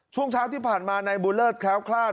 ช่วงเช้าที่ผ่านมาในบูเลอร์ดแคล้วคลาด